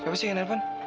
siapa sih yang nelfon